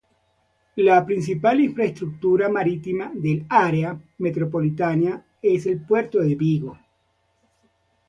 La principal infraestructura marítima del área metropolitana es el Puerto de Vigo.